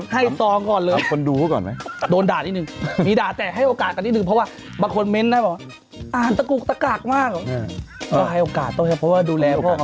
ให้ซ้องก่อนเลยครับโดนด่านิดนึงเพราะว่าบางคนเม้นท์นะครับ